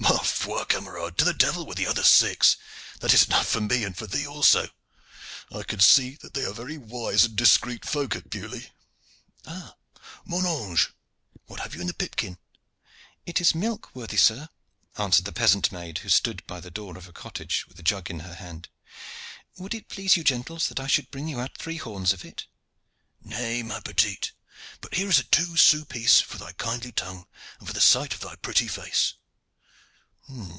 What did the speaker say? "Ma foi! camarade, to the devil with the other six! That is enough for me and for thee also. I can see that they are very wise and discreet folk at Beaulieu. Ah! mon ange, what have you in the pipkin?" "It is milk, worthy sir," answered the peasant maid, who stood by the door of a cottage with a jug in her hand. "Would it please you, gentles, that I should bring you out three horns of it?" "Nay, ma petite, but here is a two sous piece for thy kindly tongue and for the sight of thy pretty face.